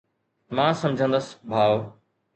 مان سمجهندس ڀاءُ.